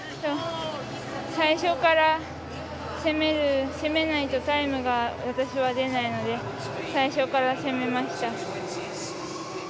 最初から攻めないとタイムが私は出ないので最初から攻めました。